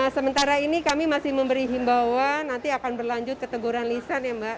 sementara ini kami masih memberi himbauan nanti akan berlanjut ke teguran lisan ya mbak